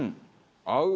合う！